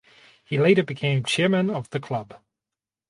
He later became Chairman of the club.